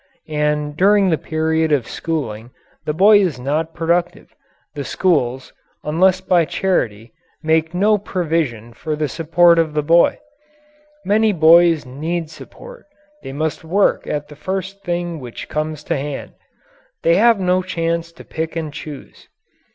And during the period of schooling the boy is not productive; the schools unless by charity make no provision for the support of the boy. Many boys need support; they must work at the first thing which comes to hand. They have no chance to pick and choose.